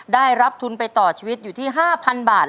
ได้รับทุนไปต่อชีวิตอยู่ที่๕๐๐บาท